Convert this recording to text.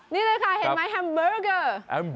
นี่เลยค่ะเห็นไหมแฮมเบอร์เกอร์